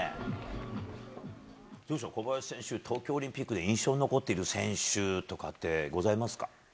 どうでしょう、小林選手東京オリンピックで印象に残ってる選手とかってございますか？